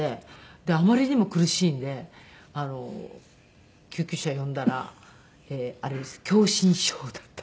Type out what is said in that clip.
であまりにも苦しいんで救急車呼んだらあれです狭心症だったんです。